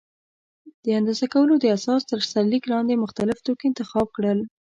د اندازه کولو د اساس تر سرلیک لاندې مختلف توکي انتخاب کړل.